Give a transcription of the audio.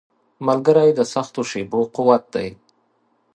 ملګری د سختو شېبو قوت دی.